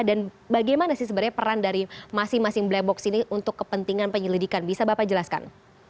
dan bagaimana sih sebenarnya peran dari masing masing black box ini untuk kepentingan penyelidikan bisa bapak jelaskan